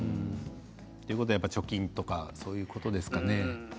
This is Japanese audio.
となると貯金とかそういうことですかね。